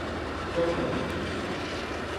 Çok çalıştınız.